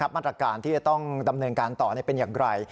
มาตรการที่จะต้องดำเนินการต่อเป็นอย่างไร